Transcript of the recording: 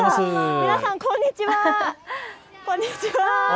皆さん、こんにちは。